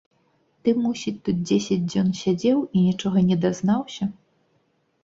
Ты, мусіць, тут дзесяць дзён сядзеў і нічога не дазнаўся?